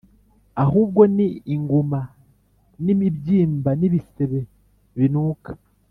ahubwo ni inguma n’imibyimba n’ibisebe binuka,